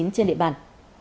trên địa bàn